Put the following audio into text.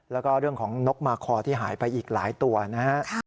แล้วก็เรื่องของนกมาคอที่หายไปอีกหลายตัวนะฮะ